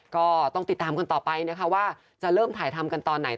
ก็ต้องติดตามกันต่อไปนะคะว่าจะเริ่มถ่ายทำกันตอนไหน